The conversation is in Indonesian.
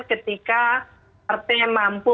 ketika partai mampu